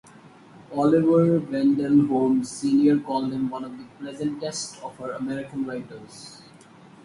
Oliver Wendell Holmes, Senior called him one of the pleasantest of our American writers.